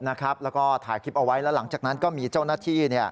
แล้วก็ถ่ายคลิปเอาไว้แล้วหลังจากนั้นก็มีเจ้าหน้าที่